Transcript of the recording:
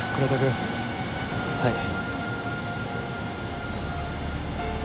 はい。